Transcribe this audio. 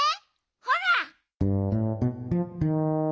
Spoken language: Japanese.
ほら。